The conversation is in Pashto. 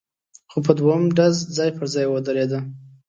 خو په دوهم ډز ځای پر ځای ودرېده،